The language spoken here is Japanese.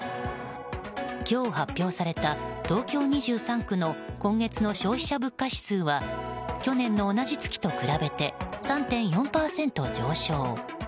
今日発表された東京２３区の今月の消費者物価指数は去年の同じ月と比べて３．４％上昇。